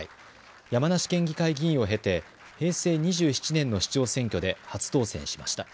山梨県議会議員を経て平成２７年の市長選挙で初当選しました。